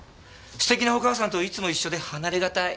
素敵なお母さんといつも一緒で離れがたい。